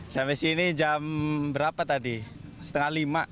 sampai sini jam berapa tadi setengah lima